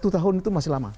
satu tahun itu masih lama